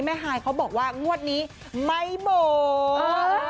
ฮายเขาบอกว่างวดนี้ไม่บอก